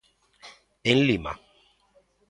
En Lima.